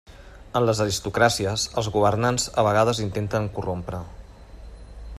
En les aristocràcies, els governants a vegades intenten corrompre.